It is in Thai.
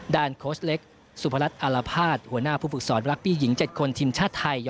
โค้ชเล็กสุพรัชอารภาษณ์หัวหน้าผู้ฝึกสอนรักบี้หญิง๗คนทีมชาติไทย